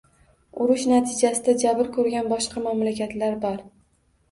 Urush natijasida jabr ko'rgan boshqa mamlakatlar bor